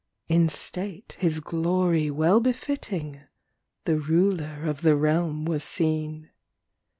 In state his glory well befitting, The ruler of the realm was seen.